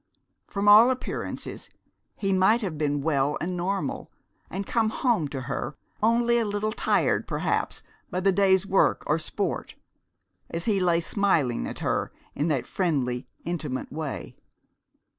From all appearances, he might have been well and normal, and come home to her only a little tired, perhaps, by the day's work or sport, as he lay smiling at her in that friendly, intimate way!